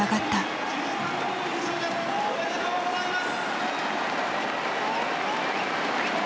「おめでとうございます！」。